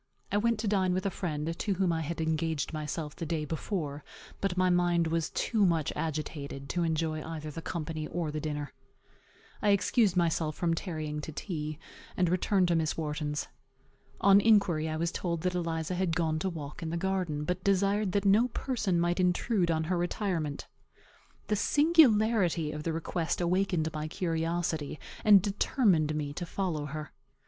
I went to dine with a friend, to whom I had engaged myself the day before; but my mind was too much agitated to enjoy either the company or the dinner. I excused myself from tarrying to tea, and returned to Miss Wharton's. On inquiry, I was told that Eliza had gone to walk in the garden, but desired that no person might intrude on her retirement. The singularity of the request awakened my curiosity, and determined me to follow her.